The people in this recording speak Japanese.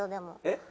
えっ？